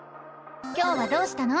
今日はどうしたの？